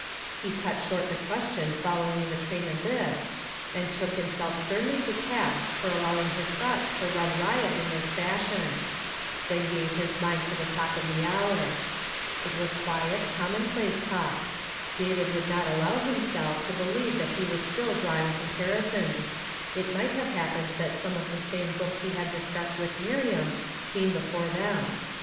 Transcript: lie cut short the question following in the train of this, and took himself sternly to task for allowing his thoughts to run riot in this fashion ; then gave his mind to the talk of the hour. It was (piiet, commoni)la('e talk. David woidd not allow him self to l)elieve that he was still drawhig compari sons ; it might have hapi)ened that some of the same books he had discussed with Miriam came before them.